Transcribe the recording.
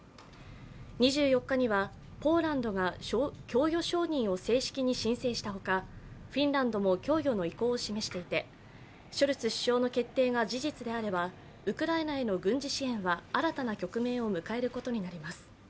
２４日にはポーランドが供与承認を正式に申請したほか、フィンランドも供与の意向を示していて、ショルツ首相の決定が事実であればウクライナへの軍事支援は新たな局面を迎えることになります。